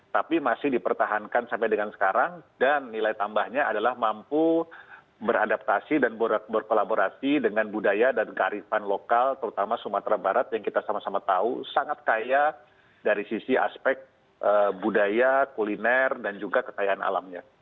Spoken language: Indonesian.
tapi masih dipertahankan sampai dengan sekarang dan nilai tambahnya adalah mampu beradaptasi dan berkolaborasi dengan budaya dan kearifan lokal terutama sumatera barat yang kita sama sama tahu sangat kaya dari sisi aspek budaya kuliner dan juga kekayaan alamnya